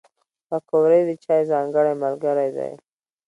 پکورې د چای ځانګړی ملګری دی